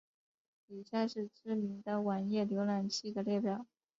以下是知名的网页浏览器的列表。